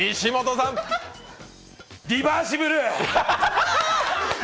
リバーシブル！？